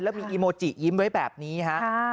แล้วมีอีโมจิยิ้มไว้แบบนี้ฮะ